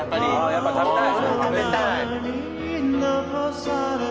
やっぱ食べたい？